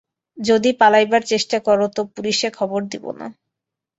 যদি পালাইবার চেষ্টা কর তো পুলিসে খবর দিব না!